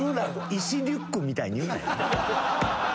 石リュックみたいに言うなよ。